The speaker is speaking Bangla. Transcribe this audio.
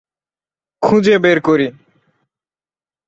খুঁজে বের করি।